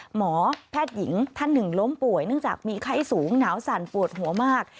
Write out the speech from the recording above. หมอแพทย์หญิงท่านหนึ่งล้มป่วยเนื่องจากมีไข้สูงหนาวสั่นปวดหัวมาก